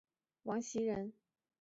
王袭人。